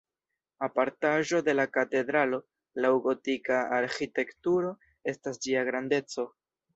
Apartaĵo de la katedralo laŭ gotika arĥitekturo estas ĝia grandeco.